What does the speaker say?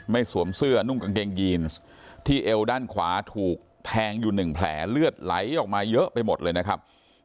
สวมเสื้อนุ่งกางเกงยีนที่เอวด้านขวาถูกแทงอยู่หนึ่งแผลเลือดไหลออกมาเยอะไปหมดเลยนะครับ